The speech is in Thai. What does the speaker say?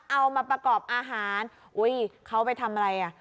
เอามาประกอบอาหารอุ้ยเขาไปทำอะไรอ่ะ